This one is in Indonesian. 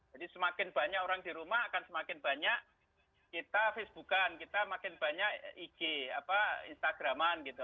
jadi semakin banyak orang di rumah akan semakin banyak kita facebookan kita semakin banyak ig apa instagraman gitu